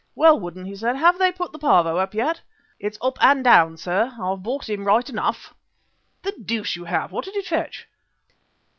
"Well, Woodden," he said, "have they put the 'Pavo' up yet?" "It's up and it's down, sir. I've bought him right enough." "The deuce you have! What did it fetch?"